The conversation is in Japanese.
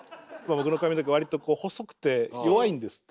僕の髪の毛割とこう細くて弱いんですって。